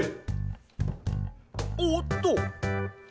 おっと！